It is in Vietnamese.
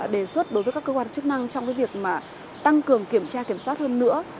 đề xuất đối với các cơ quan chức năng trong cái việc mà tăng cường kiểm tra kiểm soát hơn nữa